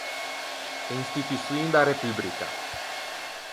E instituçioin da Repubrica.